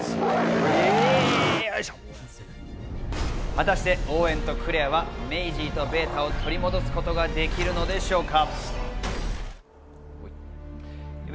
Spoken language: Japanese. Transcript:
果たしてオーウェンとクレアはメイジーとベータを取り戻すことができるのでしょうか？